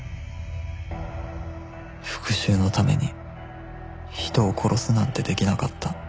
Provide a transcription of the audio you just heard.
復讐のために人を殺すなんてできなかった